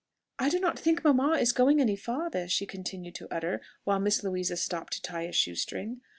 "I do not think mamma is going any farther," she continued to utter, while Miss Louisa stopped to tie a shoe string.